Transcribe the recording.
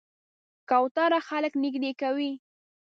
کوتره خلک نږدې کوي.